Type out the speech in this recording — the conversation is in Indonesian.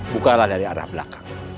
bukalah dari arah belakang